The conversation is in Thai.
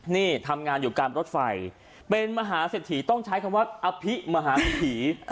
นี่ทำงานอยู่การรถไฟเป็นมหาเศรษฐีต้องใช้คำว่าอภิมหาวิถี